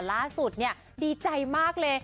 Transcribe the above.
ล่าสุดเนี่ยดีใจมากเลย